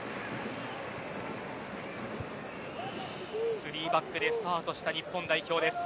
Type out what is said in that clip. ３バックでスタートした日本代表です。